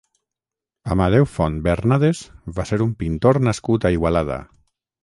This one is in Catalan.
Amadeu Font Bernades va ser un pintor nascut a Igualada.